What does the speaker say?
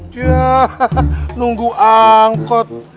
yaa nunggu angkot